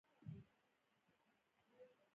استرونومي سروې د اسماني رصاداتو د اجرا کولو دنده لري